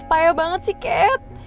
payah banget sih cat